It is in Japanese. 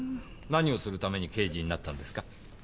何をするために刑事になったんですか？